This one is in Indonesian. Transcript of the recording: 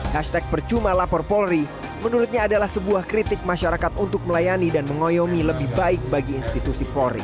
hashtag percuma lapor polri menurutnya adalah sebuah kritik masyarakat untuk melayani dan mengoyomi lebih baik bagi institusi polri